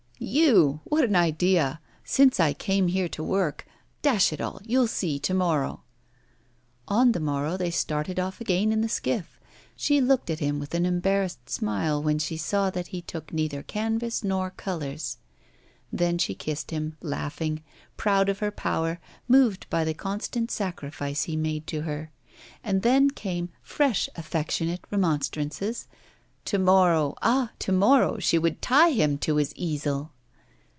'You! what an idea. Since I came here to work dash it all! you'll see to morrow.' On the morrow they started off again in the skiff; she looked at him with an embarrassed smile when she saw that he took neither canvas nor colours. Then she kissed him, laughing, proud of her power, moved by the constant sacrifice he made to her. And then came fresh affectionate remonstrances: 'To morrow, ah! to morrow she would tie him to his easel!